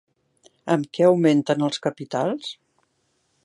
Amb què augmenten els capitals?